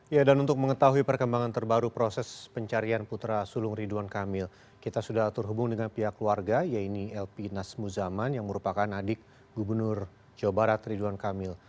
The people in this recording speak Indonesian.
ya dan untuk mengetahui perkembangan terbaru proses pencarian putra sulung ridwan kamil kita sudah terhubung dengan pihak keluarga yaitu lp nasmuzaman yang merupakan adik gubernur jawa barat ridwan kamil